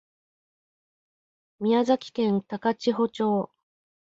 宮崎県高千穂町